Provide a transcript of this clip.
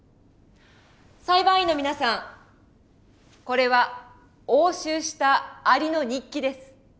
裁判員の皆さんこれは押収したアリの日記です。